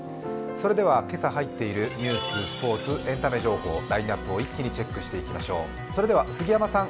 それでは、今朝入っているニューススポーツ、エンタメ情報、ラインナップを一気にチェックしていきましょう。